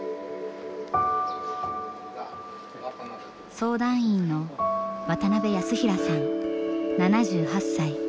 相談員の渡邊康平さん７８歳。